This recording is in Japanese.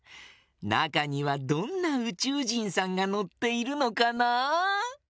なかにはどんなうちゅうじんさんがのっているのかな？